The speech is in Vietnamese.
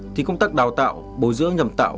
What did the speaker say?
thì công tác đào tạo bồi dưỡng nhằm tạo